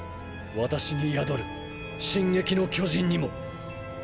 私に宿る「進撃の巨人」にも。